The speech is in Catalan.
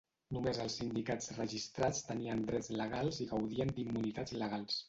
Només els sindicats registrats tenien drets legals i gaudien d'immunitats legals.